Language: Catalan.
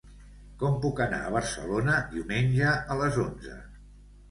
Com puc anar a Barcelona diumenge a les onze?